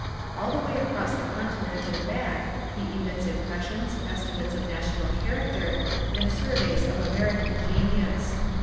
All the way across the continent and back he emits impressions, estimates of national character, and surveys of American genius.